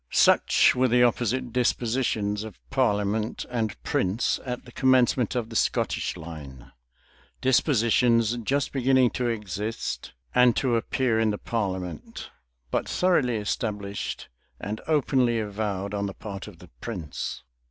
Such were the opposite dispositions of parliament and prince at the commencement of the Scottish line; dispositions just beginning to exist and to appear in the parliament,[*] but thoroughly established and openly avowed on the part of the prince. * See note TT, at the end of the volume.